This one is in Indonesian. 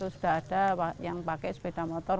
sudah ada yang pakai sepeda motor